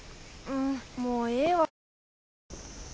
うんもうええわ。